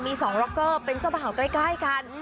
มี๒ร็อกเกอร์เป็นเจ้าบ่าวใกล้กัน